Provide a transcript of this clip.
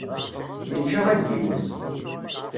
Yečča aglim-is.